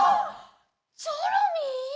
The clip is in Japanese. チョロミー！？